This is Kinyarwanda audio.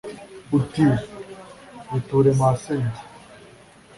uti " biture masenge ";